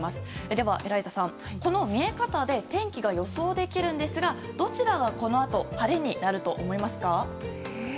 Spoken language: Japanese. では、エライザさんこの見え方で天気が予想できるんですがどちらがこのあと晴れになると思いますか？